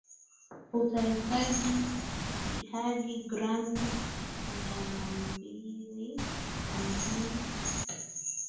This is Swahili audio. Utahitaji siagi gram mia mbili hamsini